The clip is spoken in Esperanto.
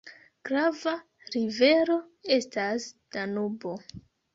Grava rivero estas Danubo.